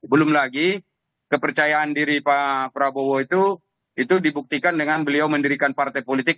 belum lagi kepercayaan diri pak prabowo itu itu dibuktikan dengan beliau mendirikan partai politik